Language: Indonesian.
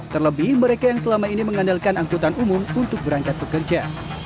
terlebih mereka yang selama ini mengandalkan angkutan umum untuk berangkat pekerja